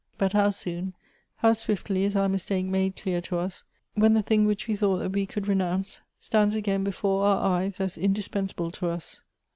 But how soon, how swiftly is our mistake made clear to us, when the thing which we thought that we could 'renounce, stands again before our eyes as indispensable to us